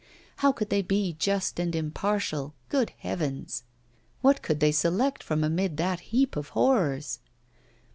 How could they be just and impartial, good heavens? What could they select from amid that heap of horrors?